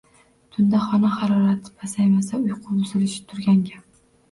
Tunda xona harorati pasaymasa, uyqu buzilishi turgan gap.